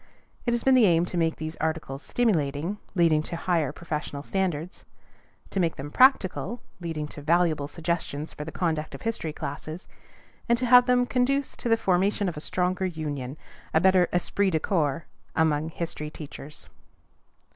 It has been the aim to make these articles stimulating, leading to higher professional standards; to make them practical, leading to valuable suggestions for the conduct of history classes; and to have them conduce to the formation of a stronger union, a better esprit de corps, among history teachers.